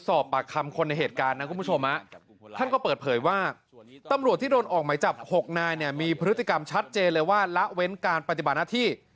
ออกไหมจับ๖นายเนี่ยมีพฤติกรรมชัดเจนเลยว่าละเว้นการปฏิบัติหน้าที่